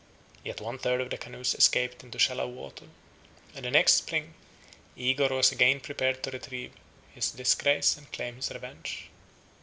Yet one third of the canoes escaped into shallow water; and the next spring Igor was again prepared to retrieve his disgrace and claim his revenge.